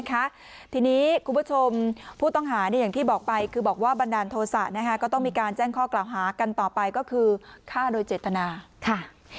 นะคะทีนี้คุณผู้ชมผู้ต้องหาอย่างที่บอกไปคือบอกว่าบันดาลโทษะนะคะก็ต้องมีการแจ้งข้อกล่าวหากันต่อไปก็คือฆ่าโดยเจตนาค่ะ